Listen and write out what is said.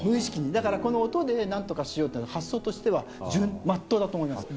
だからこの音でなんとかしようっていう発想としてはまっとうだと思いますよ。